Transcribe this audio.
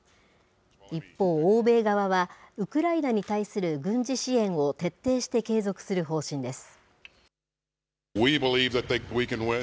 一方、欧米側は、ウクライナに対する軍事支援を徹底して継続する方針です。